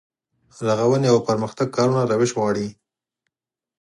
رغونې او پرمختګ کارونه روش غواړي.